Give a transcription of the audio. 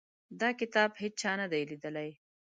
دا کتاب هیچا نه دی لیدلی.